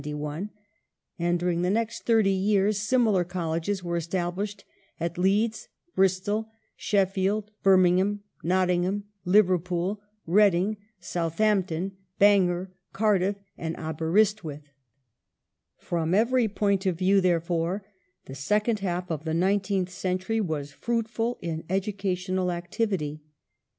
1 1891] UNIVERSITY COLLEGES 409 with the Univei sity of Durham) in 1871, and during the next thirty years similar Colleges were established at Leeds, Bristol, Sheffield, Birmingham, Nottingham, Liverpool, Reading, South ampton, Bangor, Cardiff, and Aberystwyth. From every point of view, therefore, the second half of the nineteenth century was fruitful in educational activity.